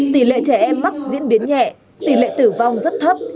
tỷ lệ trẻ em mắc diễn biến nhẹ tỷ lệ tử vong rất thấp